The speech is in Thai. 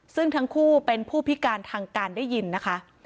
ซึ่งทั้งคู่เป็นผู้พิการทางการได้ยินนะคะ